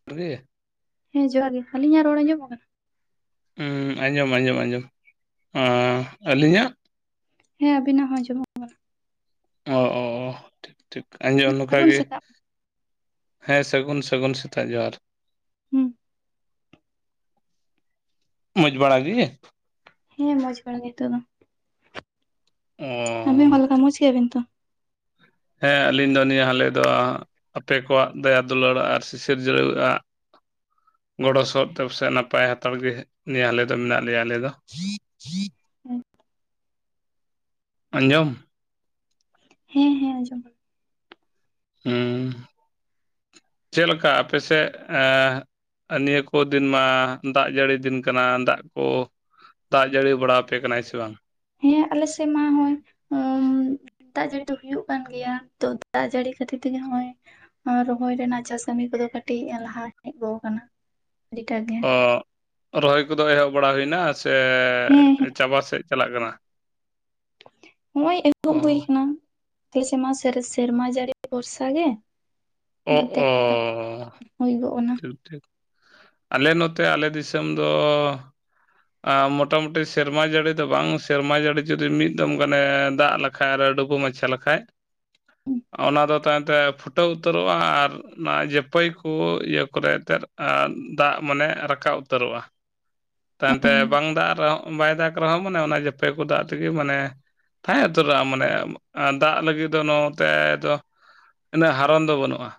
[unintelligible] ᱦᱮᱸ ᱡᱚᱦᱟᱨ ᱜᱤ, ᱟᱹᱞᱤᱧᱟᱜ ᱨᱚᱲ ᱟᱸᱡᱚᱢᱚᱜ ᱠᱟᱱᱟ? ᱩᱸ ᱟᱸᱡᱚᱢ ᱟᱸᱡᱚᱢ ᱟᱸᱡᱚᱢ ᱟᱸ ᱟᱹᱞᱤᱧᱟᱜ? ᱦᱮᱸ ᱟᱵᱤᱱᱟᱜ ᱦᱚᱸ ᱟᱸᱡᱚᱢᱚᱜ᱾ ᱠᱟᱱᱟ ᱚ ᱚ ᱚ ᱴᱷᱤᱠ ᱴᱷᱤᱠ ᱟᱸᱡᱚᱢ ᱱᱚᱝᱠᱟ ᱥᱟᱹᱜᱩᱱ ᱜᱮ ᱾ ᱥᱮᱛᱟᱜ ᱦᱮᱸ, ᱥᱟᱹᱜᱩᱱ ᱥᱟᱹᱜᱩᱱ ᱥᱮᱛᱟᱜ ᱡᱚᱦᱟᱨ ᱾ ᱦᱩᱸ᱾ ᱢᱚᱡᱽ ᱵᱟᱲᱟ ᱜᱤ᱾ ᱦᱮᱸ ᱢᱚᱡᱽ ᱵᱟᱲᱟ ᱜᱮ ᱦᱤᱛᱚᱜ ᱫᱚ ᱾ ᱚ ᱟᱹᱵᱤᱱ ᱚᱠᱟᱞᱮᱠᱟ ᱢᱚᱡ ᱜᱮᱭᱟᱵᱤᱱ ᱛᱚ? ᱦᱮᱸ ᱟᱞᱤᱧ ᱫᱚ ᱱᱤᱭᱟᱹ ᱦᱟᱞᱮ ᱫᱚ ᱟᱯᱮ ᱠᱚᱣᱟᱜ ᱫᱟᱭᱟ ᱫᱩᱞᱟᱹᱲ ᱟᱨ ᱥᱤᱥᱤᱨ ᱡᱟᱹᱣᱟᱹᱣᱟᱜ ᱜᱚᱲᱚ ᱥᱚᱦᱚᱫ ᱛᱮ ᱥᱮ ᱱᱟᱯᱟᱭ ᱦᱟᱛᱟᱲ ᱜᱮ, ᱟᱞᱮ ᱫᱚ ᱢᱮᱱᱟᱜ ᱞᱮᱭᱟ ᱟᱞᱮ ᱫᱚ ᱾ ᱟᱸᱡᱚᱢ? ᱦᱮᱸ ᱦᱮᱸ ᱟᱸᱡᱚᱢ। ᱦᱩᱸ ᱪᱮᱱ ᱞᱮᱠᱟ ᱟᱯᱮ ᱥᱮᱫ, ᱮᱸ ᱟᱨ ᱱᱤᱭᱟᱹ ᱠᱚ ᱫᱤᱱ ᱢᱟ ᱫᱟᱜ ᱡᱟᱹᱲᱤ ᱫᱤᱱ ᱠᱟᱱᱟ, ᱫᱟᱜ ᱠᱚᱼᱼ ᱫᱟᱜ ᱡᱟᱲᱤ ᱵᱟᱲᱟᱣ ᱟᱯᱮ ᱠᱟᱱᱟᱭ ᱥᱮ ᱵᱟᱝ? ᱦᱮᱸ ᱟᱞᱮ ᱥᱮᱱ ᱢᱟ ᱦᱚᱭ ᱩᱸᱢᱼᱼ ᱫᱟᱜ ᱡᱟᱹᱲᱤ ᱫᱚ ᱦᱩᱭᱩᱜ ᱠᱟᱱ ᱜᱮᱭᱟ ᱛᱚ ᱫᱟᱜ ᱡᱟᱹᱲᱤ ᱠᱷᱟᱹᱛᱤᱨ ᱛᱮᱜᱮ ᱦᱚᱜ-ᱚᱭ ᱨᱚᱦᱚᱭ ᱨᱮᱱᱟᱜ ᱪᱟᱥ ᱠᱟᱢᱤ ᱠᱚᱫᱚ ᱠᱟᱹᱴᱤᱡ ᱞᱟᱦᱟ ᱦᱮᱡ ᱦᱮᱡ ᱜᱚᱱ ᱠᱟᱱᱟ ᱟᱹᱰᱤᱴᱟ ᱜᱮ᱾ ᱚ ᱨᱚᱦᱚᱭ ᱠᱚᱫᱚ ᱮᱦᱚᱵ ᱵᱟᱲᱟ ᱦᱩᱭᱱᱟ, ᱥᱮ ᱪᱟᱵᱟ ᱥᱮᱫ ᱪᱟᱞᱟᱜ ᱠᱟᱱᱟ? ᱦᱚᱸᱜᱼᱚᱭ ᱮᱦᱚᱵ ᱦᱩᱭ ᱚ ᱠᱟᱱᱟ᱾ ᱟᱞᱮ ᱥᱮᱜᱢᱟ ᱥᱮᱨ ᱥᱮᱨᱢᱟ ᱡᱟᱲᱤ ᱵᱷᱚᱨᱥᱟ ᱜᱮ᱾ ᱚ ᱚᱱᱟᱛᱮ ᱟᱫᱚ ᱚ ᱦᱩᱭ ᱜᱚᱜ ᱠᱟᱱᱟ। ᱴᱷᱤᱠ ᱟᱞᱮ ᱱᱚᱛᱮ ᱟᱞᱮ ᱫᱤᱥᱟᱹᱢ ᱫᱚ ᱟᱸ ᱢᱚᱴᱟᱢᱩᱴᱤ ᱥᱮᱨᱢᱟ ᱡᱟᱲᱤ ᱫᱚ ᱵᱟᱝ ᱥᱮᱨᱢᱟ ᱡᱟᱲᱤ ᱡᱩᱫᱤ ᱢᱤᱫ ᱫᱚᱢ ᱜᱟᱱᱮ ᱫᱟᱜ ᱞᱟ ᱠᱷᱟᱨ ᱰᱩᱵᱩ ᱢᱟᱪᱷᱟ ᱞᱮᱠᱷᱟᱡᱼᱼ ᱦᱩᱸ᱾ ᱚᱱᱟᱫᱚ ᱛᱟᱭᱚᱢᱛᱮ ᱯᱷᱩᱴᱟᱹᱣ ᱩᱛᱟᱹᱨᱚᱜ-ᱟ ᱟᱨ ᱚᱱᱟ ᱡᱟᱹᱯᱟᱹᱭ ᱠᱩ ᱤᱭᱟᱹ ᱠᱚᱨᱮ ᱮᱱᱛᱮᱫ ᱟᱨ ᱫᱟᱜ ᱢᱟᱱᱮ ᱨᱟᱠᱟᱵ ᱩᱛᱟᱹᱨᱚᱜᱼᱟ᱾ ᱛᱟᱭᱚᱢ ᱛᱮ ᱵᱟᱝ ᱫᱟᱜ ᱨᱮᱦᱚᱸ ᱵᱟᱭ ᱫᱟᱜ ᱨᱮᱦᱚᱸ ᱢᱟᱱᱮ ᱚᱱᱟ ᱡᱟᱹᱯᱮ ᱠᱚ ᱫᱟᱜ ᱛᱮᱜᱮ ᱢᱟᱱᱮ ᱛᱟᱦᱮᱸ ᱩᱛᱟᱹᱨᱚᱜᱼᱟ ᱢᱟᱱᱮ ᱟᱸ ᱫᱟᱜ ᱞᱟᱹᱜᱤᱫ ᱫᱚ ᱱᱚᱛᱮ ᱫᱚ ᱩᱱᱟᱹᱜ ᱦᱟᱨᱚᱱ ᱫᱚ ᱵᱟᱹᱱᱩᱜᱼᱟ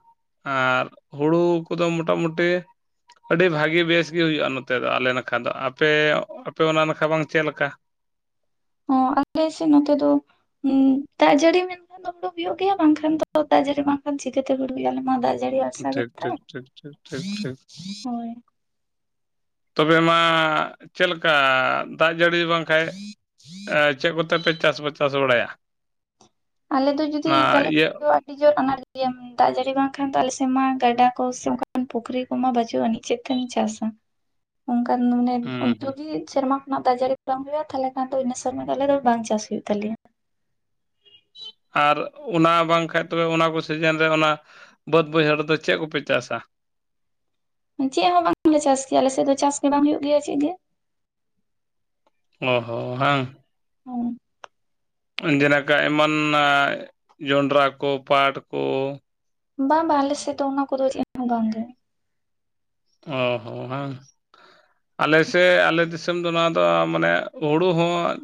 ᱟᱨ ᱦᱩᱲᱩ ᱠᱚᱫᱚ ᱢᱚᱴᱟᱢᱩᱴᱤ ᱟᱹᱰᱤ ᱵᱷᱟᱹᱜᱤ ᱵᱮᱥᱜᱮ ᱦᱩᱭᱩᱜᱼᱟ ᱱᱚᱛᱮ ᱫᱚ ᱟᱞᱮ ᱱᱟᱠᱷᱟ ᱫᱚ ᱟᱯᱮ ᱟᱯᱮ ᱚᱱᱟ ᱱᱟᱠᱷᱟ ᱵᱟᱝ ᱪᱮᱫ ᱞᱮᱠᱟ? ᱚᱸ ᱟᱞᱮ ᱥᱮᱫ ᱱᱚᱛᱮ ᱫᱚ ᱩᱸ ᱫᱟᱜ ᱡᱟᱹᱲᱤ ᱢᱮᱱᱠᱷᱟᱱ ᱫᱚ ᱦᱩᱲᱩ ᱦᱩᱭᱩᱜ ᱜᱮᱭᱟ ᱵᱟᱝᱠᱷᱟᱱ ᱫᱚ ᱫᱟᱜ ᱡᱟᱹᱲᱤ ᱵᱟᱝᱠᱷᱟᱱ ᱪᱤᱠᱟᱹ ᱛᱮ ᱦᱩᱲᱩ ᱵᱤᱞᱤᱜᱼᱟ ᱱᱚᱣᱟ ᱫᱟᱜ ᱡᱟᱹᱲᱤ ᱟᱨᱥᱟ ᱴᱷᱤᱠ ᱴᱷᱤᱠ ᱴᱷᱤᱠ ᱜᱮᱛᱟᱞᱮ ᱴᱷᱤᱠ ᱴᱷᱤᱠ ᱴᱷᱤᱠ ᱾ ᱦᱳᱭ ᱛᱚᱵᱮ ᱢᱟ ᱪᱮᱫ ᱞᱮᱠᱟ ᱫᱟᱜ ᱡᱟᱹᱲᱤ ᱵᱟᱝᱠᱷᱟᱡ ᱟᱸ ᱪᱮᱫ ᱠᱚᱛᱮ ᱯᱮ ᱪᱟᱥ ᱵᱟ ᱪᱟᱥ ᱵᱟᱲᱟᱭᱟ? ᱟᱞᱮ ᱫᱚ ᱡᱩᱫᱤ ᱚᱱᱟ ᱵᱟᱞᱮ ᱤᱭᱟᱹ ᱟᱹᱰᱤ ᱡᱳᱨ ᱟᱱᱟᱴ ᱜᱮᱭᱟ ᱾ ᱫᱟᱜ ᱡᱟᱹᱲᱤ ᱵᱟᱝᱠᱷᱟᱱ ᱫᱚ ᱟᱞᱮ ᱥᱮᱫ ᱢᱟ ᱜᱟᱰᱟ ᱠᱚ ᱥᱮ ᱚᱱᱠᱟᱱ ᱯᱩᱠᱷᱨᱤ ᱠᱚ ᱢᱟ ᱵᱟᱹᱪᱩᱜ ᱟᱹᱱᱤᱡ ᱪᱮᱫ ᱛᱮᱢ ᱪᱟᱥᱟ ᱚᱱᱠᱟᱱ ᱢᱟᱱᱮ ᱦᱩᱸ ᱦᱩᱸ ᱡᱩᱫᱤ ᱥᱮᱨᱢᱟ ᱠᱷᱚᱱᱟᱜ ᱫᱟᱜ ᱡᱟᱹᱲᱤ ᱠᱚ ᱵᱟᱝ ᱦᱩᱭᱩᱜᱼᱟ ᱛᱟᱦᱞᱮ ᱠᱷᱟᱱ ᱫᱚ ᱤᱱᱟᱹ ᱥᱮᱨᱢᱟ ᱫᱚ ᱟᱞᱮ ᱫᱚ ᱵᱟᱝ ᱪᱟᱥ ᱦᱩᱭᱩᱜ ᱛᱟᱞᱮᱭᱟ ᱾ ᱟᱨ ᱚᱱᱟ ᱵᱟᱝᱠᱷᱟᱡ ᱛᱚᱵᱮ ᱚᱱᱟ ᱠᱚ ᱥᱤᱡᱤᱱ ᱨᱮ ᱚᱱᱟ ᱵᱟᱹᱫᱽ ᱵᱟᱹᱭᱦᱟᱹᱲ ᱨᱮ ᱪᱮᱫ ᱠᱚᱯᱮ ᱪᱟᱥᱟ? ᱪᱮᱫ ᱦᱚᱸ ᱵᱟᱝᱞᱮ ᱪᱟᱥ ᱜᱮᱭᱟ ᱟᱞᱮ ᱥᱮᱫ ᱫᱚ ᱪᱟᱥ ᱜᱮ ᱵᱟᱝ ᱦᱩᱭᱩᱜ ᱜᱮᱭᱟ ᱪᱮᱫ ᱜᱮ ᱾ ᱚ ᱦᱚᱸ ᱦᱟ ᱾ ᱦᱩᱸ ᱾ ᱡᱮ ᱞᱮᱠᱟ ᱮᱢᱟᱱᱟᱜ ᱡᱚᱱᱰᱽᱨᱟ ᱠᱚ ᱯᱟᱴ ᱠᱚ ᱵᱟᱝ ᱵᱟᱝ ᱟᱞᱮ ᱥᱮᱫ ᱫᱚ ᱚᱱᱟ ᱠᱚᱫᱚ ᱪᱮᱫ ᱦᱚᱸ ᱵᱟᱝ ᱜᱮ ᱾ ᱚ ᱦᱚᱸ ᱦᱟ ᱾ ᱟᱞᱮ ᱥᱮᱫ ᱟᱞᱮ ᱫᱤᱥᱚᱢ ᱫᱚ ᱱᱚᱣᱟ ᱫᱚ ᱢᱟᱱᱮ ᱦᱩᱲᱩ ᱦᱚᱸ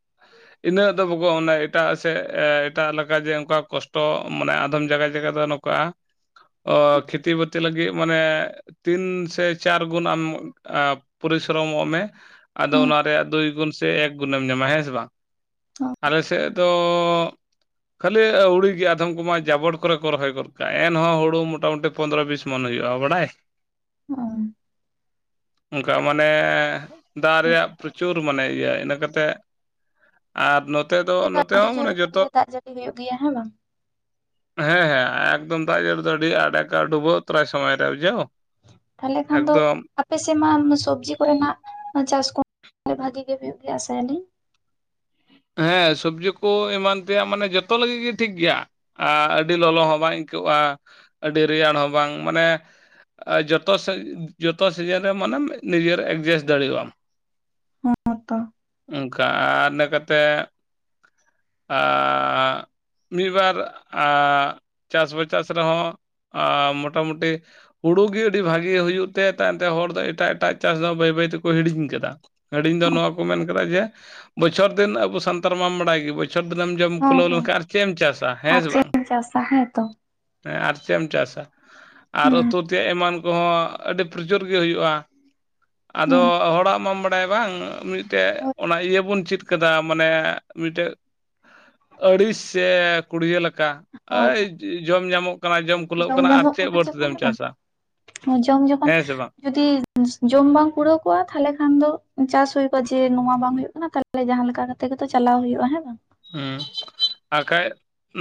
[unintelligible] ᱤᱱᱟᱹᱜ ᱫᱚ ᱵᱩᱜᱚ ᱚᱱᱮ ᱮᱴᱟᱜ ᱥᱮᱫ ᱮᱴᱟᱜ ᱞᱮᱠᱟ ᱡᱮ ᱚᱱᱠᱟ ᱠᱚᱥᱴᱚ ᱢᱟᱱᱮ ᱟᱫᱚᱢ ᱡᱟᱭᱜᱟ ᱡᱟᱭᱜᱟ ᱫᱚ ᱠᱚᱜᱼᱟ ᱚ ᱠᱷᱮᱛᱤ ᱵᱟᱹᱛᱤ ᱞᱟᱹᱜᱤᱫ ᱢᱟᱱᱮ ᱛᱤᱱ ᱥᱮ ᱪᱟᱨ ᱜᱩᱱ ᱟᱢ ᱟᱻ ᱯᱚᱨᱤᱥᱨᱚᱢᱚᱜ ᱢᱮ ᱾ ᱟᱫᱚ ᱦᱮᱸ ᱚᱱᱟ ᱨᱮᱭᱟᱜ ᱫᱩᱭ ᱜᱩᱱ ᱥᱮ ᱮᱠ ᱜᱩᱱᱮᱢ ᱧᱟᱢᱟ ᱦᱮᱸ ᱥᱮ ᱵᱟᱝ ᱾ ᱟᱞᱮ ᱥᱮᱫ ᱫᱚ ᱠᱷᱟᱹᱞᱤ ᱟᱹᱣᱲᱤ ᱜᱮ ᱟᱫᱷᱚᱢ ᱠᱚᱢᱟ ᱡᱟᱵᱚᱴ ᱠᱚᱨᱮ ᱠᱚ ᱨᱚᱦᱚᱭ ᱜᱚᱫ ᱠᱟᱜᱼᱟ, ᱮᱱᱦᱚᱸ ᱦᱩᱲᱩ ᱢᱚᱴᱟᱢᱩᱴᱤ ᱯᱚᱸᱫᱽᱨᱚ ᱵᱤᱥ ᱢᱚᱱ ᱦᱩᱭᱩᱜᱼᱟ, ᱵᱟᱲᱟᱭ ᱾ ᱚ ᱾ ᱚᱱᱠᱟ ᱢᱟᱱᱮ ᱫᱟᱜ ᱨᱮᱭᱟᱜ ᱯᱨᱚᱪᱩᱨ ᱢᱟᱱᱮ ᱤᱭᱟᱹ ᱤᱱᱟᱹ ᱠᱟᱛᱮᱫ ᱟᱨ ᱱᱚᱛᱮ ᱫᱚ ᱥᱮ ᱱᱚᱛᱮ ᱟᱹᱰᱤ ᱦᱚᱸ ᱡᱳᱨ ᱢᱟᱱᱮ ᱡᱚᱛᱚ ᱛᱟᱦᱚᱞᱮ ᱫᱟᱜ ᱡᱟᱹᱲᱤ ᱦᱩᱭᱩᱜ ᱜᱮᱭᱟ ᱦᱮᱸ ᱵᱟᱝ ᱦᱮᱸ ᱦᱮᱸ ᱮᱠᱫᱚᱢ ᱫᱟᱜ ᱡᱟᱲᱤ ᱫᱚ ᱟᱹᱰᱤ ᱟᱸᱴ ᱮᱠᱟ ᱰᱩᱵᱟᱹᱣ ᱩᱛᱟᱹᱨᱟᱭ ᱥᱚᱢᱚᱭ ᱨᱮ ᱵᱩᱡᱷᱟᱹᱣ ᱾ ᱛᱟᱦᱞᱮ ᱠᱷᱟᱱ ᱫᱚ ᱟᱯ ᱟᱯᱮ ᱥᱮᱡ ᱢᱟ ᱥᱚᱵᱽᱡᱤ ᱠᱚᱨᱮᱱᱟᱜ ᱪᱟᱥ ᱠᱚ ᱦᱚᱸ ᱵᱷᱟᱜᱤ ᱜᱮ ᱦᱩᱭᱩᱜ ᱜᱮᱭᱟ ᱟᱥᱟᱭᱟᱞᱤᱧ ᱾ ᱦᱮᱸ ᱥᱚᱵᱡᱤ ᱠᱚ ᱮᱢᱟᱱ ᱛᱮᱭᱟᱜ ᱢᱟᱱᱮ ᱡᱚᱛᱚ ᱞᱟᱹᱜᱤᱫ ᱜᱮ ᱴᱷᱤᱠ ᱜᱮᱭᱟ ᱾ ᱟᱜ ᱟᱹᱰᱤ ᱞᱚᱞᱚ ᱦᱚᱸ ᱵᱟᱝ ᱟᱹᱭᱠᱟᱹᱜᱼᱟ ᱟᱹᱰᱤ ᱨᱮᱭᱟᱲ ᱦᱚᱸ ᱵᱟᱝ ᱢᱟᱱᱮ ᱟᱨ ᱡᱚᱛᱚᱥᱮ ᱡᱚᱛᱚ ᱥᱤᱡᱤᱱ ᱨᱮ ᱢᱟᱱᱮᱢ ᱱᱤᱡᱮᱨ ᱮᱰᱡᱟᱥᱴ ᱫᱟᱲᱮᱭᱟᱜ ᱟᱢ ᱾ [unintelligible] ᱛᱚ ᱚᱱᱠᱟ ᱟᱨ ᱤᱱᱟᱹ ᱠᱟᱛᱮ ᱟᱨ ᱢᱤᱫ ᱵᱟᱨ ᱟ ᱪᱟᱥ ᱵᱟ ᱪᱟᱥ ᱨᱮᱦᱚᱸ ᱢᱚᱴᱟᱢᱩᱴᱤ ᱦᱩᱲᱩ ᱜᱮ ᱟᱹᱰᱤ ᱵᱷᱟᱜᱮ ᱦᱩᱭᱩᱜ ᱛᱮ ᱛᱟᱭᱚᱢ ᱛᱮ ᱦᱚᱲ ᱫᱚ ᱮᱴᱟᱜ ᱮᱴᱟᱜ ᱪᱟᱥ ᱫᱚ ᱵᱟᱹᱭ ᱵᱟᱹᱭ ᱛᱮᱠᱚ ᱦᱤᱲᱤᱧ ᱟᱠᱟᱫᱟ ᱾ ᱦᱟᱹᱰᱤᱧ ᱫᱚ ᱱᱚᱣᱟ ᱠᱚ ᱢᱮᱱ ᱟᱠᱟᱫᱟ ᱡᱮ ᱵᱚᱪᱷᱚᱨ ᱫᱤᱱ ᱟᱵᱚ ᱥᱟᱱᱛᱟᱲ ᱢᱟᱢ ᱵᱟᱲᱟᱭ ᱜᱮᱭᱟ ᱵᱚᱪ ᱵᱚᱪᱷᱚᱨ ᱫᱤᱱᱮᱢ ᱡᱚᱢ ᱦᱚᱸ ᱠᱩᱞᱟᱹᱣ ᱦᱚᱸ ᱞᱮᱠᱷᱟᱱ ᱟᱨ ᱪᱮᱫ ᱮᱢ ᱪᱟᱥᱟ ᱟᱨ ᱦᱮᱸ ᱥᱮ ᱪᱮᱫ ᱵᱟᱝ ᱾ ᱮᱢ ᱪᱟᱥᱟ ᱦᱮᱸ ᱛᱚ ᱦᱮ ᱟᱨ ᱪᱮᱫ ᱮᱢ ᱪᱟᱥᱟ ᱟᱨ ᱦᱩᱸ ᱩᱛᱩ ᱛᱮᱭᱟᱜ ᱮᱢᱟᱱ ᱠᱚᱦᱚᱸ ᱟᱹᱰᱤ ᱯᱨᱚᱪᱩᱨ ᱜᱮ ᱦᱩᱭᱩᱜᱼᱟ᱾ ᱟᱫᱚ ᱦᱩᱸ ᱦᱚᱲᱟᱜ ᱢᱟᱢ ᱵᱟᱰᱟᱭᱟ ᱵᱟᱝ ᱢᱤᱫ ᱢᱤᱫᱴᱮᱱ ᱦᱳᱭ ᱚᱱᱟ ᱤᱭᱟᱹ ᱵᱚᱱ ᱪᱮᱫ ᱠᱟᱫᱟ ᱢᱟᱱᱮ ᱢᱤᱫᱴᱮᱡ ᱟᱹᱲᱤᱥ ᱥᱮ ᱠᱩᱲᱤᱭᱟᱹ ᱞᱮᱠᱟ ᱦᱳᱭ ᱮᱭ ᱡᱚᱢ ᱧᱟᱢᱚᱜ ᱠᱟᱱᱟ ᱡᱚᱢ ᱠᱩᱞᱟᱹᱜ ᱡᱚᱢ ᱟᱨ ᱧᱟᱢᱚᱜ ᱪᱮᱫ ᱠᱟᱱᱟ ᱵᱟᱹᱲᱛᱤ ᱡᱚᱠᱷᱚᱱ ᱫᱚᱢ ᱦᱮ ᱪᱟᱥᱟ ᱵᱟᱝ ᱡᱚᱢ ᱡᱚᱠᱷᱚᱱ ᱦᱮᱸ ᱥᱮ ᱵᱟᱝ ᱡᱩᱫᱤ ᱡᱚᱢ ᱵᱟᱝ ᱠᱩᱲᱟᱹᱣ ᱠᱚᱜᱼᱟ ᱛᱟᱦᱚᱞᱮ ᱠᱷᱟᱱ ᱫᱚ ᱪᱟᱥᱦᱩᱭ ᱠᱚᱜᱼᱟ ᱡᱮ ᱱᱚᱣᱟ ᱵᱟᱝ ᱦ ᱦᱩᱭᱩᱜ ᱠᱟᱱᱟ ᱛᱟᱦᱮ ᱞᱮ ᱡᱟᱦᱟᱸ ᱞᱮᱠᱟ ᱠᱟᱛᱮ ᱜᱮᱛᱚ ᱪᱟᱞᱟᱣ ᱦᱩᱭᱩᱜᱼᱟ ᱦᱮᱸ ᱵᱟᱝ? ᱦᱮᱸ ᱟᱠᱷᱟᱡ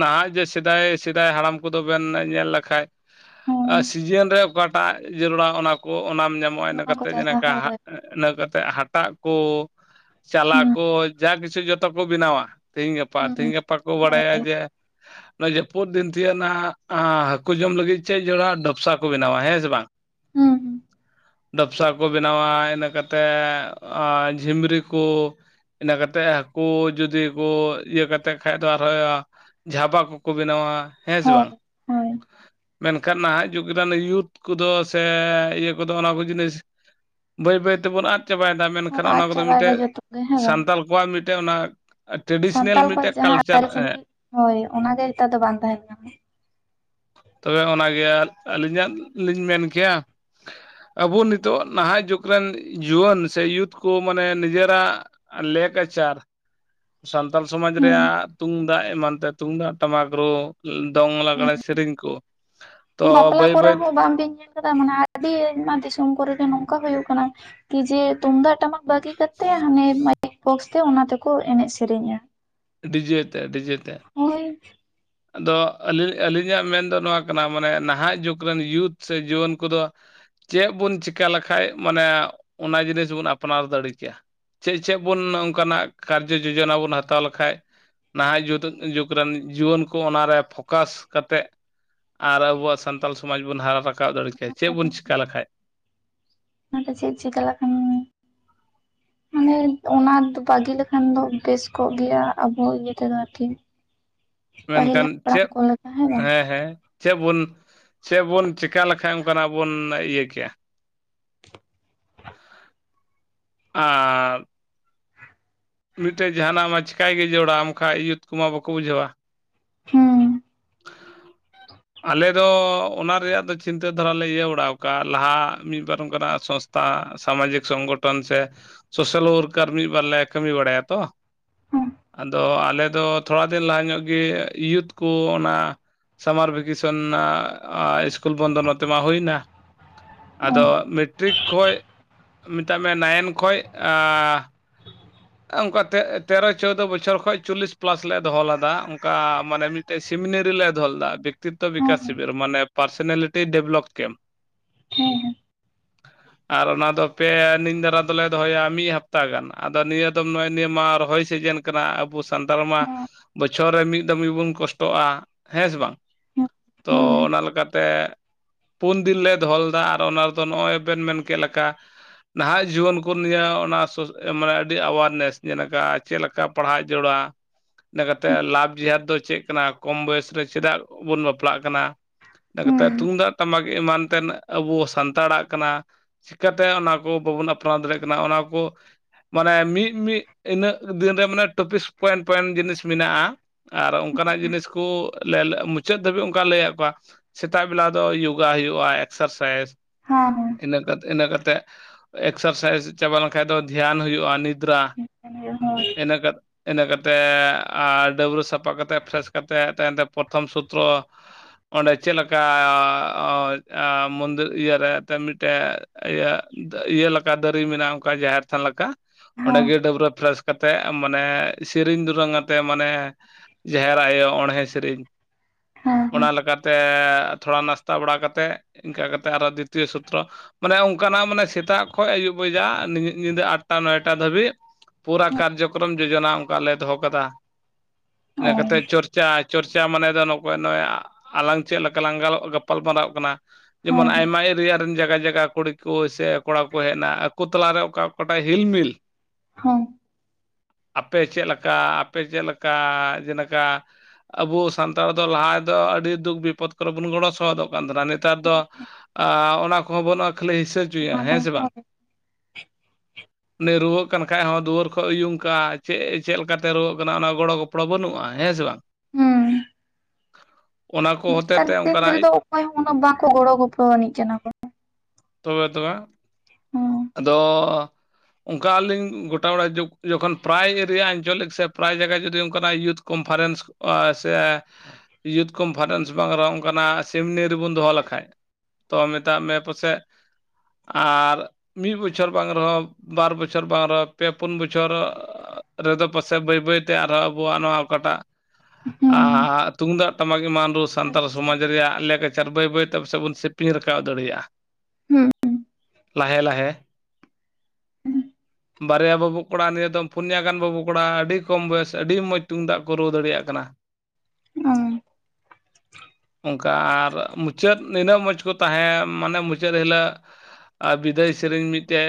ᱱᱟᱦᱟᱜ ᱡᱮ ᱥᱮᱫᱟᱭ ᱥᱮᱫᱟᱭ ᱦᱟᱲᱟᱢ ᱠᱚᱫᱚ ᱵᱮᱱ ᱧᱮᱞ ᱞᱮᱠᱷᱟᱡ ᱦᱚᱸ ᱥᱤᱡᱤᱱ ᱨᱮ ᱚᱠᱟᱴᱟᱜ ᱡᱟᱹᱨᱩᱲᱟ ᱚᱱᱟ ᱠᱚ ᱚᱱᱟᱢ ᱧᱟᱢᱟ ᱱᱚᱣᱟ ᱠᱚ ᱱᱚᱜᱼᱚᱭ [unintelligible] ᱪᱟᱥᱟ ᱦᱳᱭ ᱤᱱᱟᱹ ᱠᱟᱛᱮᱫ ᱦᱟᱴᱟᱜ ᱠᱚ ᱪᱟᱞᱟ ᱦᱩᱸ ᱠᱚ ᱡᱟ ᱠᱤᱪᱷᱩ ᱡᱚᱛᱚ ᱠᱚ ᱵᱮᱱᱟᱣᱟ᱾ ᱛᱮᱦᱤᱧ ᱜᱟᱯᱟ ᱦᱩᱸ ᱛᱮᱦᱤᱧ ᱜᱟᱯᱟ ᱠᱚ ᱵᱟᱰᱟᱭᱟ ᱡᱮ ᱱᱚᱣᱟ ᱡᱟᱹᱯᱩᱫ ᱫᱤᱱ ᱛᱤᱭᱟᱜᱱᱟ ᱦᱟ ᱦᱟᱹᱠᱩ ᱡᱚᱢ ᱞᱟᱹᱜᱤᱫ ᱪᱮᱫ ᱡᱚᱲᱟ ᱰᱚᱯᱥᱟ ᱠᱚ ᱵᱮᱱᱟᱣᱟ ᱦᱮᱸ ᱥᱮ ᱵᱟᱝ? ᱦᱩᱸ ᱰᱚᱯᱥᱟ ᱠᱚ ᱵᱮᱱᱟᱣᱟ ᱤᱱᱟᱹ ᱠᱟᱛᱮ ᱠᱟᱛᱮ ᱡᱷᱤᱢᱨᱤ ᱠᱚ᱾ ᱤᱱᱟᱹ ᱠᱟᱛᱮ ᱦᱟᱹᱠᱩ ᱡᱩᱫᱤ ᱠᱚ ᱤᱭᱟᱹᱠᱟᱛᱮ ᱠᱷᱟᱡ ᱫᱚ ᱟᱨᱦᱚᱸ ᱡᱷᱟᱵᱟ ᱠᱚᱠᱚ ᱵᱮᱱᱟᱣᱟ᱾ ᱦᱮᱸ ᱥᱮ ᱦᱳᱭ ᱵᱟᱝ? ᱦᱳᱭ ᱢᱮᱱᱠᱷᱟᱱ ᱱᱟᱦᱟᱜ ᱡᱩᱜᱽ ᱨᱮᱱ ᱭᱩᱛᱷ ᱠᱚᱫᱚ ᱥᱮ ᱤᱭᱟᱹ ᱠᱚᱫᱚ ᱚᱱᱟ ᱠᱚ ᱡᱤᱱᱤᱥ ᱵᱟᱹᱭ ᱵᱟᱹᱭ ᱛᱮᱵᱚᱱ ᱟᱫ ᱪᱟᱵᱟᱭᱮᱫᱟ ᱦᱚᱸ ᱢᱮᱱᱠᱷᱟᱱ ᱚᱱᱟ ᱟᱫ ᱠᱚᱫᱚ ᱪᱟᱵᱟᱭ ᱫᱟ ᱢᱤᱫᱴᱮᱡ ᱡᱚᱛᱚ ᱜᱮ ᱦᱮᱸ ᱵᱟᱝ ᱥᱟᱱᱛᱟᱲ ᱠᱚᱣᱟᱜ ᱢᱤᱫᱴᱮᱱ ᱚᱱᱟ ᱴᱨᱮᱰᱤᱥᱚᱱᱟᱞ ᱥᱟᱱᱛᱟᱞ ᱠᱚᱣᱟ ᱢᱤᱫᱴᱮᱡ ᱡᱟᱦᱟᱸ ᱠᱟᱞᱪᱟᱨ ᱦᱮᱸ ᱟᱹᱨᱤᱪᱟᱹᱞᱤ ᱦᱚᱭ ᱚᱱᱟᱜᱮ ᱱᱮᱛᱟᱨ ᱫᱚ ᱵᱟᱝ ᱛᱟᱦᱮᱸ ᱠᱟᱱᱟ᱾ ᱛᱚᱵᱮ ᱚᱱᱟᱜᱮ ᱟᱹᱞᱤᱧᱟᱜ ᱞᱤᱧ ᱢᱮᱱ ᱠᱮᱭᱟ ᱟᱵᱚ ᱱᱤᱛᱚᱜ ᱱᱟᱦᱟᱜ ᱡᱩᱜᱽ ᱨᱮᱱ ᱡᱩᱣᱟᱹᱱ ᱥᱮ ᱤᱭᱩᱛᱷ ᱠᱚ ᱢᱟᱱᱮ ᱱᱤᱡᱮᱨᱟᱜ ᱞᱮᱠ ᱟᱪᱟᱨ ᱥᱟᱱᱛᱟᱞ ᱥᱚᱢᱟᱡᱽ ᱨᱮᱭᱟᱜ ᱛᱩᱢᱫᱟᱜ ᱮᱢᱟᱱ ᱛᱮ ᱛᱩᱢᱫᱟᱜ ᱴᱟᱢᱟᱠ ᱨᱩ ᱫᱚᱝ ᱞᱟᱜᱽᱲᱮ ᱥᱮᱨᱮᱧ ᱠᱚ ᱛᱚ ᱦᱩᱸ ᱵᱟᱯᱞᱟ ᱵᱟᱹᱭ ᱠᱚᱨᱮ ᱵᱟᱹᱭ ᱦᱚᱸ ᱵᱟᱝᱵᱤᱱ᱾ ᱢᱟᱱᱮ ᱟᱹᱰᱤ ᱟᱭᱢᱟ ᱫᱤᱥᱚᱢ ᱠᱚᱨᱮ ᱜᱮ ᱱᱚᱝᱠᱟ ᱦᱩᱭᱩᱜ ᱠᱟᱱᱟ ᱠᱤ ᱡᱮ ᱛᱩᱢᱫᱟᱜ ᱴᱟᱢᱟᱠ ᱵᱟᱹᱜᱤ ᱠᱟᱛᱮ ᱦᱟᱱᱮ ᱢᱟᱭᱤᱠ ᱵᱚᱠᱥ ᱛᱮ ᱚᱱᱟ ᱛᱮᱠᱚ ᱮᱱᱮᱡ ᱥᱮᱨᱮᱧᱟ᱾ ᱰᱤᱡᱮ ᱛᱮ ᱰᱤᱡᱮ ᱛᱮ᱾ ᱦᱚᱭ᱾ ᱟᱫᱚ ᱟᱹᱞᱤᱧ ᱟᱹᱞᱤᱧᱟᱜ ᱢᱮᱱᱫᱚ ᱱᱚᱣᱟ ᱠᱟᱱᱟ ᱢᱟᱱᱮ ᱱᱟᱦᱟᱜ ᱡᱩᱜᱽ ᱨᱮᱱ ᱭᱩᱛᱷ ᱥᱮ ᱡᱩᱣᱟᱹᱱ ᱠᱚᱫᱚ ᱪᱮᱫ ᱵᱚᱱ ᱪᱮᱠᱟ ᱞᱮᱠᱷᱟᱡ ᱢᱟᱱᱮ ᱚᱱᱟ ᱡᱤᱱᱤᱥ ᱵᱚᱱ ᱟᱯᱱᱟᱨ ᱫᱟᱲᱮ ᱠᱮᱭᱟ? ᱪᱮᱫ ᱪᱮᱫ ᱵᱚᱱ ᱚᱱᱠᱟᱱᱟᱜ ᱠᱟᱨᱡᱚ ᱡᱚᱡᱚᱱᱟ ᱵᱚᱱ ᱦᱟᱛᱟᱣ ᱞᱮᱠᱷᱟᱡ ᱱᱟᱦᱟᱜ ᱡᱩᱛᱩ ᱡᱩᱜᱽ ᱨᱮᱱ ᱡᱩᱣᱟᱹᱱ ᱠᱚ ᱚᱱᱟᱨᱮ ᱯᱷᱚᱠᱟᱥ ᱠᱟᱛᱮ ᱟᱨ ᱟᱵᱚᱣᱟᱜ ᱥᱟᱱᱛᱟᱞ ᱥᱚᱢᱟᱡᱽ ᱵᱚᱱ ᱦᱟᱨᱟ ᱨᱟᱠᱟᱵ ᱨᱟᱠᱟᱵ ᱫᱟᱲᱮ ᱠᱮᱭᱟ᱾ ᱪᱮᱫ ᱵᱚᱱ ᱪᱤᱠᱟ ᱞᱮᱠᱷᱟᱡ? ᱚᱱᱟᱫᱚ ᱪᱮᱫ ᱪᱤᱠᱟ ᱞᱮᱠᱷᱟᱱ᱾ ᱢᱟᱱᱮ ᱚᱱᱟ ᱫᱚ ᱵᱟᱹᱜᱤ ᱞᱮᱠᱷᱟᱱ ᱫᱚ ᱵᱮᱥ ᱠᱚᱜ ᱜᱮᱭᱟ ᱟᱵᱚ ᱤᱭᱟᱹ ᱛᱮᱫᱚ ᱟᱨᱠᱤ᱾ ᱯᱟᱹᱦᱤᱞ ᱢᱮᱱᱠᱷᱟᱱ ᱪᱮᱫ ᱦᱟᱯᱲᱟᱢ ᱠᱚ ᱞᱮᱠᱟ ᱦᱮᱸ ᱵᱟᱝ? ᱦᱮᱸ᱾ ᱪᱮ ᱵᱚᱱ ᱪᱮ ᱵᱚᱱ ᱪᱤᱠᱟ ᱞᱮᱠᱷᱟᱡ ᱚᱱᱠᱟᱱᱟᱜ ᱵᱚᱱ ᱤᱭᱟᱹ ᱠᱮᱭᱟ? ᱟᱨ ᱢᱤᱫᱴᱮᱡ ᱡᱟᱦᱟᱱᱟᱜ ᱢᱟ ᱪᱤᱠᱟᱭ ᱜᱮ ᱡᱚᱲᱟᱣ ᱟᱢᱠᱟᱱ ᱭᱩᱛᱷ ᱠᱚᱢᱟ ᱵᱟᱠᱚ ᱵᱩᱡᱷᱟᱹᱣᱟ᱾ ᱦᱩᱸ᱾ ᱟᱞᱮ ᱚᱱᱟ ᱨᱮᱭᱟᱜ ᱫᱚ ᱪᱤᱱᱛᱟᱹ ᱫᱷᱟᱨᱟᱞᱮ ᱤᱭᱟᱹ ᱵᱟᱲᱟᱣ ᱟᱠᱟᱫᱼᱟ ᱞᱟᱦᱟ ᱢᱤᱫᱵᱟᱨ ᱚᱱᱠᱟᱱᱟᱜ ᱥᱚᱥ ᱥᱟᱢᱟᱡᱤᱠ ᱥᱚᱝᱜᱚᱴᱷᱚᱱ ᱥᱮ ᱥᱚᱥᱟᱞ ᱣᱟᱨᱠᱟᱨ ᱢᱤᱫᱵᱟᱨ ᱞᱮ ᱠᱟᱹᱢᱤ ᱵᱟᱲᱟᱭᱟ ᱛᱚ᱾ ᱦᱩᱸ ᱟᱫᱚ ᱟᱞᱮᱫᱚ ᱛᱷᱚᱲᱟ ᱫᱤᱱ ᱞᱟᱦᱟ ᱧᱚᱜ ᱜᱮ ᱤᱭᱩᱛ ᱠᱚ ᱚᱱᱟ ᱥᱟᱢᱟᱨ ᱵᱷᱮᱠᱮᱥᱚᱱ ᱟ ᱟ ᱤᱥᱠᱩᱞ ᱵᱚᱱᱫᱚ ᱱᱚᱛᱮ ᱢᱟ ᱦᱩᱭᱱᱟ᱾ ᱟᱫᱚ ᱦᱩᱸ ᱢᱮᱴᱨᱤᱠ ᱠᱷᱚᱡ ᱢᱮᱛᱟᱜ ᱢᱮ ᱱᱟᱭᱤᱱ ᱠᱷᱚᱡ ᱟᱸ ᱚᱱᱠᱟ ᱛᱮ ᱛᱮᱨᱚ ᱪᱳᱫᱳ ᱵᱚᱪᱷᱚᱨ ᱠᱷᱚᱱᱚᱡ ᱪᱚᱞᱞᱤᱥ ᱯᱞᱟᱥ ᱞᱮ ᱫᱚᱦᱚ ᱞᱮᱫᱟ ᱚᱱᱠᱟ ᱢᱟᱱᱮ ᱢᱤᱫ ᱥᱤᱢᱤᱱᱨᱤ ᱞᱮ ᱫᱷᱚᱞ ᱞᱮᱫᱟ, ᱵᱮᱠᱛᱤᱛᱚ ᱦᱩᱸ ᱵᱤᱠᱟᱥ ᱦᱮᱸ ᱥᱤᱵᱤᱨ ᱢᱟᱱᱮ ᱯᱟᱨᱥᱱᱟᱞᱤᱴᱤ ᱰᱮᱵᱷᱞᱚᱯ ᱠᱮᱢ᱾ ᱦᱮᱸ ᱟᱨ ᱚᱱᱟ ᱫᱚ ᱯᱮ ᱟᱱᱤᱧ ᱫᱷᱟᱨᱟ ᱫᱚᱞᱮ ᱫᱚᱦᱚᱭᱟ ᱢᱤᱫ ᱦᱟᱯᱛᱟ ᱜᱟᱱ ᱟᱫᱚ ᱱᱤᱭᱟᱹ ᱱᱚᱜᱼᱚᱭ ᱱᱤᱭᱟᱹ ᱢᱟ ᱨᱚᱦᱚᱭ ᱥᱤᱡᱮᱱ ᱠᱟᱱᱟ ᱟᱵᱚ ᱥᱟᱱᱛᱟᱲ ᱢᱟ ᱦᱮᱸ ᱵᱚᱪᱷᱚᱨ ᱨᱮ ᱢᱤᱫ ᱫᱚᱢ ᱜᱮᱵᱚᱱ ᱠᱚᱥᱴᱚᱜᱼᱟ, ᱦᱮᱸ ᱥᱮ ᱵᱟᱝ ᱛᱚ ᱚᱱᱟ ᱞᱮᱠᱟᱛᱮ ᱯᱩᱱ ᱫᱤᱱ ᱞᱮ ᱫᱚᱦᱚᱞᱮᱫᱟ ᱟᱨ ᱚᱱᱟ ᱨᱮᱫᱚ ᱱᱚᱜᱼᱚᱭ ᱵᱮᱱ ᱢᱮᱱ ᱠᱮᱫ ᱞᱮᱠᱟ᱾ ᱱᱟᱦᱟᱜ ᱡᱩᱣᱟ. ᱱ ᱠᱚ ᱱᱤᱭᱟᱹ ᱚᱱᱟ ᱢᱟᱱᱮ ᱟᱹᱰᱤ ᱟᱵᱟᱨ ᱱᱮᱥ ᱪᱮᱫ ᱞᱮᱠᱟ ᱞᱮᱠᱟ ᱯᱟᱲᱦᱟᱜ ᱡᱟᱹᱨᱲᱟ᱾ ᱤᱱᱟᱹ ᱠᱟᱛᱮᱫ ᱞᱟᱵᱷ ᱡᱮᱦᱟᱨᱛ ᱫᱚ ᱪᱮᱫ ᱠᱟᱱᱟ ᱠᱚᱢ ᱵᱚᱭᱮᱥ ᱨᱮ ᱪᱮᱫᱟᱜ ᱵᱚᱱ ᱵᱟᱯᱞᱟᱜ ᱠᱟᱱᱟ᱾ ᱤᱱᱟᱛᱮᱫ ᱛᱩᱢᱫᱟᱜ ᱴᱟᱢᱟᱠ ᱮᱢᱟᱱ ᱛᱮᱱ ᱟᱵᱚ ᱥᱟᱱᱛᱟᱲᱟᱜ ᱠᱟᱱᱟ᱾ ᱪᱤᱠᱟᱹᱛᱮ ᱚᱱᱟ ᱠᱚ ᱵᱟᱵᱚᱱ ᱟᱯᱱᱟᱨ ᱫᱟᱲᱮᱭᱟᱜ ᱠᱟᱱᱟ ᱚᱱᱟ ᱠᱚ ᱢᱟᱱᱮ ᱢᱤᱫ ᱢᱤᱫ ᱤᱱᱟᱹᱜ ᱫᱤᱱ ᱨᱮ ᱢᱟᱱᱮ ᱴᱚᱯᱤᱥ ᱯᱚᱭᱮᱱ ᱯᱚᱭᱮᱱ ᱡᱤᱱᱤᱥ ᱢᱮᱱᱟᱜᱼᱟ᱾ ᱟᱨ ᱚᱱᱠᱟᱱᱟᱜ ᱡᱤᱱᱤᱥ ᱠᱚ ᱞᱮ ᱞᱮ ᱢᱩᱪᱟᱹᱫ ᱫᱷᱟᱹᱵᱤᱡ ᱚᱱᱠᱟ ᱞᱟᱹᱭᱟᱫ ᱠᱚᱣᱟ᱾ ᱥᱮᱛᱟᱜ ᱵᱮᱞᱟ ᱫᱚ ᱡᱳᱜᱟ ᱦᱩᱭᱩᱜᱼᱟ ᱮᱠᱥᱟᱨᱥᱟᱭᱤᱡᱽ᱾ ᱦᱮᱸ ᱦᱮᱸ ᱤᱱᱟᱹ ᱤᱱᱟᱹ ᱠᱟᱛᱮ ᱮᱠᱥᱟᱨᱥᱟᱭᱤᱡᱽ ᱪᱟᱵᱟ ᱞᱮᱱᱠᱷᱟᱡ ᱫᱚ ᱫᱷᱮᱭᱟᱱ ᱦᱩᱭᱩᱜᱼᱟ ᱱᱤᱫᱽᱨᱟ᱾ ᱦᱳᱭ ᱤᱱᱟ. ᱠᱟᱛᱮ ᱤᱱᱟᱹ ᱠᱟᱛᱮᱫ ᱟᱨ ᱰᱟᱹᱵᱽᱨᱟᱹ ᱥᱟᱯᱷᱟ ᱠᱟᱛᱮᱫ ᱯᱷᱮᱨᱮᱥ ᱠᱟᱛᱮᱫ ᱛᱟᱭᱚᱢᱛᱮ ᱯᱨᱚᱛᱷᱚᱢ ᱥᱩᱛᱨᱚ ᱚᱸᱰᱮ ᱪᱮᱫ ᱞᱮᱠᱟ ᱟ ᱢᱚᱱᱫᱤᱨ ᱤᱭᱟᱹ ᱨᱮ ᱮᱱ ᱢᱤᱫᱴᱮᱱ ᱤᱭᱟᱹ ᱤᱭᱟᱹ ᱞᱮᱠᱟ ᱫᱟᱨᱮ ᱢᱮᱱᱟᱜᱼᱟ ᱚᱱᱠᱟ ᱡᱟᱦᱮᱨ ᱛᱷᱟᱱ ᱞᱮᱠᱟ᱾ ᱚᱸᱰᱮᱜᱮ ᱰᱟᱹᱵᱽᱨᱟᱹ ᱯᱷᱨᱮᱥ ᱠᱟᱛᱮᱫ ᱢᱟᱱᱮ ᱥᱮᱨᱮᱧ ᱫᱩᱨᱟᱹᱝ ᱟᱛᱮᱫ ᱢᱟᱱᱮ ᱡᱟᱦᱮᱨ ᱟᱭᱳ ᱚᱬᱦᱮᱸ ᱥᱮᱨᱮᱧ, ᱚᱱᱟ ᱞᱮᱠᱟᱛᱮ ᱛᱮ ᱛᱷᱚᱲᱟ ᱱᱟᱥᱛᱟ ᱵᱟᱲᱟ ᱠᱟᱛᱮ ᱤᱱᱠᱟᱹ ᱠᱟᱛᱮ ᱟᱨᱦᱚ ᱫᱤᱛᱤᱭᱚ ᱥᱩᱛᱨᱚ ᱢᱟᱱᱮ ᱚᱱᱠᱟᱱᱟᱜ ᱢᱟᱱᱮ ᱥᱮᱛᱟᱜ ᱠᱷᱚᱡ ᱟᱹᱭᱩᱵ ᱵᱟᱡᱟᱜ ᱧᱤᱫᱟᱹ ᱟᱴᱴᱟ ᱱᱚᱭᱴᱟ ᱫᱷᱟᱹᱵᱤᱡ ᱯᱩᱨᱟᱹ ᱠᱟᱨᱡᱚᱠᱨᱚᱢ ᱡᱳᱡᱚᱱᱟ ᱚᱱᱠᱟ ᱞᱮ ᱫᱚᱦᱚ ᱠᱟᱫᱟ᱾ ᱤᱱᱟᱹ ᱠᱟᱛᱮᱫ ᱪᱚᱨᱪᱟ ᱪᱚᱨᱪᱟ ᱢᱟᱱᱮ ᱫᱚ ᱱᱚᱜᱼ ᱚᱜ ᱟᱞᱟᱝ ᱪᱮᱫ ᱞᱮᱠᱟ ᱞᱟᱝ ᱜᱟᱞᱚ ᱜᱟᱯᱟᱞᱢᱟᱨᱟᱣ ᱠᱟᱱᱟ ᱡᱮᱢᱚᱱ ᱟᱭᱢᱟ ᱮᱨᱤᱭᱟ ᱡᱟᱭᱜᱟ ᱡᱟᱜᱟ ᱠᱩᱲᱤ ᱠᱚ ᱥᱮ ᱠᱚᱲᱟ ᱠᱚ ᱦᱮᱡ ᱮᱱᱟ ᱟᱠᱚ ᱛᱟᱞᱟᱨᱮ ᱚᱠᱟ ᱚᱠᱟᱴᱟᱜ ᱦᱤᱞᱢᱤᱞ ᱦᱮᱸ ᱟᱯᱮ ᱪᱮᱫ ᱞᱮᱠᱟ ᱟᱯᱮ ᱪᱮᱫ ᱞᱮᱠᱟ ᱡᱮᱞᱮᱠᱟ ᱟᱵᱚ ᱥᱟᱱᱛᱟᱲ ᱫᱚ ᱞᱟᱦᱟ ᱫᱚ ᱟᱹᱰᱤ ᱫᱩᱠ ᱵᱤᱯᱚᱫᱽ ᱠᱚᱨᱮ ᱵᱚᱱ ᱜᱚᱲᱚ ᱥᱚᱚᱦᱚᱫᱚᱜ ᱠᱟᱱ ᱛᱟᱦᱮᱱᱟ ᱱᱮᱛᱟᱨ ᱫᱚ, ᱚᱱᱟ ᱠᱚᱦᱚᱸ ᱵᱟᱹᱱᱩᱜᱼᱟ ᱠᱷᱟᱹᱞᱤ ᱦᱤᱥᱟᱹ ᱦᱚᱪᱚᱭᱟ ᱚᱱᱟ ᱠᱚ ᱦᱮᱸ ᱥᱮ ᱵᱟᱝ᱾ ᱦᱳᱭ ᱩᱱᱤ ᱨᱩᱣᱟᱹᱜ ᱠᱟᱱ ᱠᱷᱟᱡ ᱦᱚᱸ ᱫᱩᱣᱟᱹᱨ ᱠᱷᱚᱡ ᱩᱭᱩᱝ ᱠᱟᱜᱼᱟ ᱪᱮᱫ ᱪᱮᱫ ᱞᱮᱠᱟᱛᱮᱭ ᱨᱩᱣᱟᱹᱜ ᱠᱟᱱᱟ ᱚᱱᱟ ᱜᱚᱲᱚ ᱜᱚᱯᱚᱲᱚ ᱵᱟᱹᱱᱩᱜᱼᱟ ᱦᱮᱸ ᱥᱮ ᱵᱟᱝ᱾ ᱦᱮᱸ ᱚᱱᱟ ᱠᱚ ᱦᱚᱛᱮ ᱱᱮᱛᱟᱨ ᱛᱮ ᱫᱤᱱ ᱨᱮᱫᱚ ᱚᱱᱠᱟᱱᱟᱜ ᱚᱠᱚᱭ ᱩᱱᱟᱹᱜ ᱵᱟᱠᱚ ᱜᱚᱲᱚ ᱜᱚᱯᱚᱲᱚ ᱟᱹᱱᱤᱡ ᱠᱟᱱᱟ ᱠᱚ᱾ ᱛᱚᱵᱮ ᱛᱚᱵᱮ ᱦᱩᱸ ᱟᱫᱚ ᱚᱱᱠᱟᱞᱤᱧ ᱜᱚᱴᱟ ᱟᱜ ᱡᱚᱠᱷᱚᱱ ᱯᱨᱟᱭ ᱮᱨᱤᱭᱟ ᱟᱧᱪᱚᱞᱤᱠ ᱥᱮ ᱯᱨᱟᱭ ᱡᱟᱭᱜᱟ ᱡᱩᱫᱤ ᱚᱱᱠᱟᱱᱟᱜ ᱤᱭᱩᱛᱷ ᱠᱚᱱᱯᱷᱟᱨᱮᱱᱥ ᱥᱮ ᱤᱭᱩᱛᱷ ᱠᱚᱱ ᱯᱷᱟᱨᱮᱱᱥ ᱵᱟᱝ ᱨᱮᱦᱚᱸ ᱚᱱᱠᱟᱱᱟᱜ ᱥᱮᱢᱱᱤ ᱨᱮᱵᱩᱱ ᱫᱚᱦᱚ ᱞᱮᱠᱷᱟᱡ᱾ ᱛᱚ ᱢᱮᱛᱟᱜ ᱢᱮ ᱯᱟᱥᱮᱡ ᱟᱨ᱾ ᱢᱤᱫ ᱵᱚᱪᱷᱚᱨ ᱵᱟᱝ ᱨᱮᱦᱚᱸ ᱵᱟᱨ ᱵᱚᱪᱷᱚᱨ ᱵᱟᱝ ᱨᱮᱦᱚᱸ ᱯᱮᱼᱯᱩᱱ ᱵᱚᱪᱷᱚᱨ᱾ ᱨᱮᱫᱚ ᱯᱟᱥᱮᱡ ᱵᱟᱹᱭ ᱵᱟᱹᱭ ᱛᱮ ᱟᱨᱦᱚᱸ ᱟᱵᱩᱣᱼᱟᱜ ᱱᱚᱣᱟ ᱚᱠᱟᱴᱟᱜ᱾ ᱟᱻ ᱛᱩᱝᱫᱟᱜ ᱴᱟᱢᱟᱠ ᱮᱢᱟᱱ ᱨᱩ ᱥᱟᱱᱛᱟᱞ ᱥᱚᱢᱟᱡᱽ ᱨᱮᱭᱟᱜ ᱞᱮᱠ᱾ ᱪᱟᱨ ᱵᱟᱹᱭ ᱵᱟᱹᱭ ᱛᱮ ᱯᱟᱥᱮ ᱵᱩᱱ ᱥᱮᱯᱤᱝ ᱨᱟᱠᱟᱵ ᱫᱟᱲᱮᱭᱟᱜᱼᱟ᱾ ᱦᱩᱸᱻ ᱦᱩᱸ ᱞᱟᱦᱮᱻ ᱞᱟᱦᱮ [unintelligible] ᱵᱟᱨᱭᱟ ᱵᱟᱹᱵᱩ ᱠᱚᱲᱟ ᱱᱤᱭᱟᱹ ᱫᱚᱢ ᱯᱩᱱᱭᱟ ᱜᱟᱱ ᱵᱟᱹᱵᱩ ᱠᱚᱲᱟ ᱯᱩᱱᱭᱟᱹ ᱵᱟᱹᱵᱩ ᱠᱚᱲᱟ ᱟᱹᱰᱤ ᱠᱚᱢ ᱵᱚᱭᱚᱥ ᱟᱹᱰᱤ ᱢᱚᱡᱽ ᱛᱩᱢᱫᱟᱜ ᱠᱩ ᱨᱩ ᱫᱟᱲᱤᱭᱟᱜ ᱠᱟᱱᱟ᱾ [unintelligible] ᱚᱱᱠᱟ ᱟᱨ ᱢᱩᱼᱼ ᱪᱟᱹᱫ ᱱᱤᱱᱟᱹᱜ ᱢᱚᱡᱽ ᱠᱩ ᱛᱟᱦᱮᱸ ᱢᱟᱱᱮ ᱢᱩᱪᱟᱹᱫ ᱦᱤᱞᱟᱹᱜ᱾ ᱟᱨ ᱵᱤᱫᱟᱹᱭ ᱥᱤᱨᱤᱧ ᱢᱤᱫᱴᱮᱡ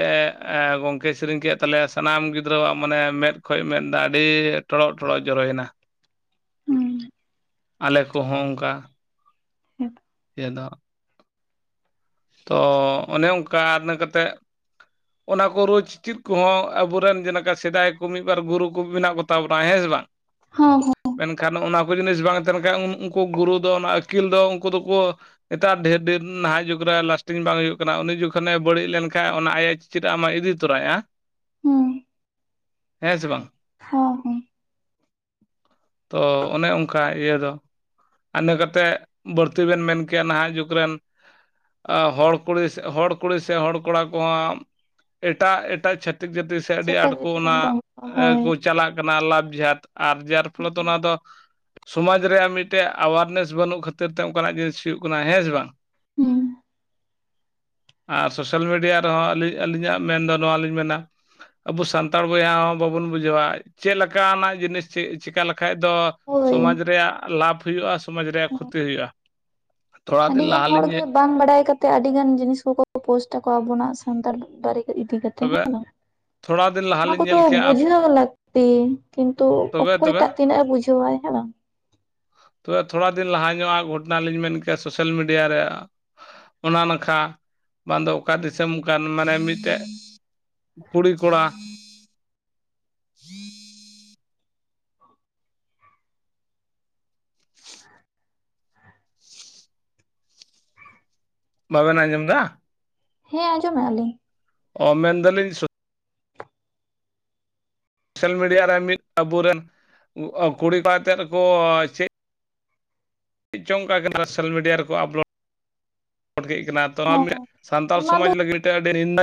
ᱜᱚᱝᱠᱮ ᱥᱤᱨᱤᱧ ᱠᱮᱫ ᱛᱟᱞᱮᱭᱟ ᱥᱟᱱᱟᱢ ᱜᱤᱫᱽᱨᱟᱹᱣᱟᱜ ᱢᱟᱱᱮ ᱢᱮᱫ᱾ ᱠᱷᱳᱪ ᱢᱮᱱᱫᱟᱜ ᱟᱹᱰᱤ ᱴᱚᱲᱚᱜ ᱴᱚᱲᱚᱜ ᱡᱚᱨᱚᱭᱮᱱᱟ᱾ [unintelligible] ᱟᱞᱮ ᱠᱩᱦᱚᱸ ᱚᱝᱠᱟ ᱪᱮᱫᱚᱜ ᱛᱚ ᱚᱱᱮ ᱚᱱᱠᱟ ᱤᱱᱟᱹ ᱠᱟᱛᱮᱫ ᱚᱱᱟ ᱠᱩ ᱨᱳᱪ ᱪᱤᱫ ᱠᱩᱦᱚᱸ ᱟᱵᱩᱨᱮᱱ ᱡᱮᱱᱮᱠᱟ ᱥᱮᱫᱟᱭ ᱠᱩ ᱢᱤᱫ ᱵᱟᱨ ᱜᱩᱨᱩ ᱠᱩ ᱢᱮᱱᱟᱜ ᱠᱩ᱾ ᱛᱟ ᱵᱩᱱᱟ ᱦᱮᱸ ᱥᱮ ᱵᱟᱝ᱾ ᱦᱳᱻ ᱦᱩ ᱢᱮᱱ ᱠᱷᱟᱱ ᱚᱱᱟ ᱠᱩ ᱡᱤᱱᱤᱥ ᱵᱟᱝ ᱛᱟᱦᱮᱱ ᱠᱷᱟᱡ ᱩᱱᱼᱩᱱᱠᱩ ᱜᱩᱨᱩ ᱫᱚ ᱚᱱᱟ ᱟᱹᱠᱤᱞ ᱫᱚ ᱩᱱᱠᱩ ᱫᱚᱠᱩ᱾ ᱮᱴᱟᱜ ᱰᱷᱮᱨ ᱱᱟᱦᱟᱭ ᱡᱩᱜ᱾ ᱠᱩᱨᱟ ᱞᱟᱥᱴᱤᱝ ᱵᱟᱭ ᱦᱩᱭᱩᱜ ᱠᱟᱱᱟ ᱩᱱᱤ ᱡᱩᱠᱷᱚᱱᱮ ᱵᱟᱹᱲᱤᱡ ᱞᱮᱱᱠᱟᱱ ᱚᱱᱟ ᱟᱭ ᱪᱤᱫᱼᱟᱜ ᱟᱢᱟᱭ ᱤᱫᱤ ᱛᱚᱨᱟᱭᱼᱟ᱾ ᱦᱩᱸ ᱦᱮᱸᱻᱥᱮ ᱵᱟᱝ ᱦᱚᱻᱦᱩ ᱛᱚ ᱚᱱᱮ ᱚᱸᱝᱠᱟ ᱤᱭᱟᱹ ᱫᱚ᱾ ᱟ ᱤᱱᱟᱹ ᱠᱟᱛᱮᱫ ᱵᱟᱹᱲᱛᱤ ᱵᱮᱱ ᱢᱮᱱ ᱠᱮᱭᱟ ᱱᱟᱦᱟᱜ ᱡᱩᱜᱽ ᱨᱮᱱ᱾ ᱟ ᱦᱚᱲ ᱠᱩᱲᱤ ᱥᱮ ᱦᱚᱲ ᱠᱩᱲᱤ ᱥᱮ ᱦᱚᱲ ᱠᱚᱲᱟ ᱠᱚᱣᱟᱜ ᱮᱴᱟᱜ ᱮᱴᱟᱜ ᱪᱷᱟᱹᱛᱤᱠ ᱡᱟᱹᱛᱤᱠ ᱡᱟᱛᱤ᱾ ᱟᱹᱰᱤ ᱡᱚᱛᱚ ᱟᱸᱴ ᱠᱩ ᱜᱤᱫᱽᱨᱟᱹ ᱚᱱᱟ ᱨᱮᱱ ᱠᱚ ᱦᱳᱭ ᱟᱹᱻᱠᱩ ᱪᱟᱞᱟᱜ ᱠᱟᱱᱟ ᱞᱟᱵᱷ ᱡᱷᱟᱛ ᱟᱨ ᱡᱟᱨ ᱯᱷᱚᱞᱮᱛᱳ ᱚᱱᱟ ᱫᱚ᱾ ᱥᱚᱢᱟᱡᱽ ᱨᱮᱭᱟᱜ ᱢᱤᱫᱴᱮᱡ ᱟᱣᱟᱨᱱᱮᱥ ᱵᱟᱹᱱᱩᱜ ᱠᱷᱟᱹᱛᱤᱨ ᱛᱮ ᱚᱱᱠᱟᱱᱟᱜ ᱡᱤᱱᱤᱥ ᱦᱩᱭᱩᱜ ᱠᱟᱱᱟ ᱦᱮᱸ ᱥᱮ ᱵᱟᱝ? ᱦᱩᱸ ᱟᱨ ᱥᱳᱥᱮᱞ ᱢᱤᱰᱤᱭᱟ ᱨᱮᱦᱚᱸ ᱟᱹᱞᱤᱧ ᱟᱹᱞᱤᱧᱟᱜ ᱢᱮᱱ ᱫᱚ ᱱᱩᱣᱟ ᱞᱤᱧ ᱢᱮᱱᱟ᱾ ᱟᱵᱩ ᱥᱟᱱᱛᱟᱞ ᱵᱚᱭᱦᱟ ᱦᱚᱸ ᱵᱟᱵᱩᱱ ᱵᱩᱡᱷᱟᱹᱣᱟ ᱪᱮᱫ ᱞᱮᱠᱟᱱᱟᱜ ᱡᱤᱱᱤᱥ ᱪᱮᱫ ᱪᱤᱠᱟ ᱞᱤ᱾ ᱠᱷᱟᱡ ᱫᱚ ᱦᱳᱭ ᱥᱚᱢᱟᱡ ᱨᱮᱭᱟᱜ ᱞᱟᱵᱷᱚ ᱦᱩᱭᱩᱜᱼᱟ ᱥᱚᱢᱟᱡᱽ ᱨᱮᱭᱟᱜ ᱠᱷᱩᱛᱤ ᱦᱩᱭᱩᱜᱼᱟ᱾ ᱛᱷᱚᱲᱟ ᱫᱤᱱ ᱟᱹᱰᱤᱜᱟᱱ ᱦᱚᱲ ᱜᱮ ᱞᱟᱦᱟᱞᱤᱧ ᱵᱟᱝ ᱵᱟᱲᱟᱭ ᱠᱟᱛᱮᱫ ᱟᱹᱰᱤ ᱜᱟᱱ ᱡᱤᱱᱤᱥ ᱠᱩᱠᱩ ᱯᱳᱥᱴᱼᱟ ᱟᱵᱩᱱᱟᱜ ᱥᱟᱱᱛᱟᱲ ᱵᱟᱨᱤ᱾ ᱤᱫᱤ ᱠᱟᱛᱮ ᱛᱚᱵᱮ ᱦᱮᱸ ᱫᱚ ᱛᱷᱚᱲᱟ ᱫᱤᱱ ᱚᱱᱟ ᱠᱩ ᱞᱟᱦᱟᱞᱤᱧ ᱫᱚ ᱧᱮᱞ ᱠᱮᱜᱼᱟ ᱵᱩᱡᱷᱟᱹᱣ ᱞᱟᱹᱠᱼᱼ ᱛᱤᱱ ᱠᱤᱱᱛᱩ ᱛᱚᱵᱮ ᱛᱚᱵᱮ ᱚᱠᱚᱭᱴᱟᱜ ᱛᱤᱱᱟᱹᱜ ᱮ ᱵᱩᱡᱷᱟᱹᱣᱟᱭ ᱦᱮᱸ ᱵᱟᱝ᱾ ᱛᱚᱵᱮ ᱛᱷᱩᱲᱟ ᱫᱤᱱ ᱞᱟᱦᱟ ᱧᱚᱜᱼᱟ ᱜᱷᱚᱴᱚᱱᱟᱞᱤᱧ ᱢᱮᱱ ᱠᱮᱭᱟ ᱥᱳᱥᱮᱞ ᱢᱤᱰᱤᱭᱟ ᱨᱮ᱾ ᱚᱱᱟ ᱱᱟᱠᱷᱟ ᱵᱟᱝ ᱫᱚ ᱚᱠᱟ ᱫᱤᱥᱚᱢ ᱠᱟᱱ ᱢᱟᱱᱮ ᱢᱤᱫ ᱴᱮᱡ᱾ ᱠᱩᱲᱤᱻᱠᱚᱲᱟ ᱵᱟᱵᱮᱱ ᱟᱸᱡᱚᱢ ᱫᱟ᱾ ᱦᱮᱸ ᱟᱸᱡᱚᱢ ᱢᱮᱼᱟ ᱞᱤᱧ ᱾ ᱚ ᱢᱮᱱ ᱫᱟᱹᱞᱤᱧ ᱥ ᱥᱳᱥᱮᱞ ᱢᱤᱰᱤᱭᱟ ᱨᱮᱱ ᱢᱤᱫ ᱟᱵᱩᱨᱮᱱ ᱩᱻᱟᱹ ᱠᱩᱲᱤ ᱠᱚᱲᱟ ᱛᱮᱫ ᱠᱩ ᱪᱤᱫ ᱪᱮᱫ ᱪᱚᱝ ᱚᱝ ᱠᱟᱱᱟ ᱥᱳᱥᱮᱞ ᱢᱤᱰᱤᱭᱟ ᱨᱮᱠᱩ ᱟᱯᱞᱳᱰ ᱠᱮᱫ ᱠᱤᱱᱟ ᱦᱚᱸ ᱾ ᱥᱟᱱᱛᱟᱞ ᱚᱱᱟ ᱫᱚ ᱥᱚᱢᱟᱡᱽ ᱞᱟᱹᱜᱤᱫ ᱢᱤᱫ ᱴᱮᱱ ᱟᱹᱰᱤ ᱱᱤᱱᱟᱹᱡ